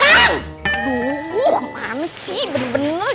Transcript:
aduh mami sih bener bener